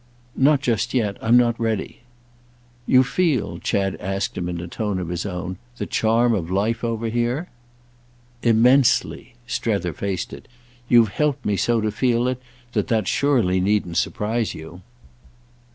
"Not just yet. I'm not ready." "You feel," Chad asked in a tone of his own, "the charm of life over here?" "Immensely." Strether faced it. "You've helped me so to feel it that that surely needn't surprise you."